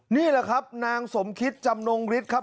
นี่แหละครับนางสมคิตจำนงฤทธิ์ครับ